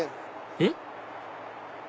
えっ？